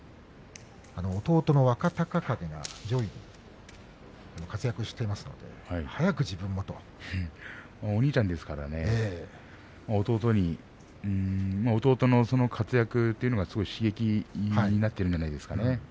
弟の若隆景が上位で活躍していますので早く自分も幕内に上がりたいという気持ちお兄ちゃんですからね弟の活躍が少し刺激になっているんじゃないですか。